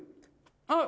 あっ。